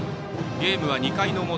ゲームは２回の表。